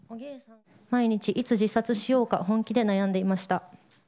毎日いつ、自殺しようか、本気で悩んでいました。